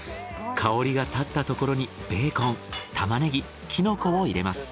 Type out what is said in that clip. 香りが立ったところにベーコンタマネギキノコを入れます。